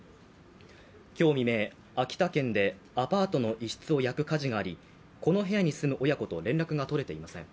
今日未明、秋田県でアパートの一室を焼く火事がありこの部屋に住む親子と連絡が取れていません。